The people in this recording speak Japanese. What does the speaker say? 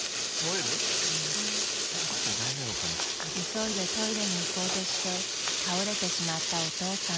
・［急いでトイレに行こうとして倒れてしまったお父さん］